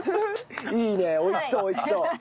いいね美味しそう美味しそう。